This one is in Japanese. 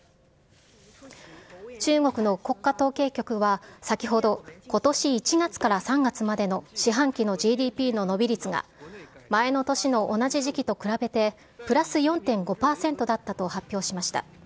中国の国家統計局は、先ほど、ことし１月から３月までの四半期のＧＤＰの伸び率が、前の年の同じ時期と比べて、プラス４．５％だったと発表しました。